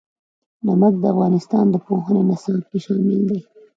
نمک د افغانستان د پوهنې نصاب کې شامل دي.